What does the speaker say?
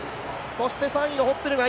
そして３位のホッペルが